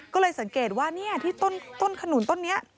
ก็เลยสังเกตว่าที่ต้นขนุนต้นนี้